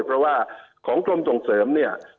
เพราะว่าของกรมส่งเสริมเนี่ย